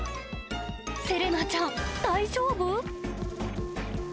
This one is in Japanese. セレナちゃん、大丈夫？